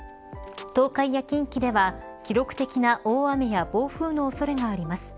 東海や近畿では記録的な大雨や暴風の恐れがあります。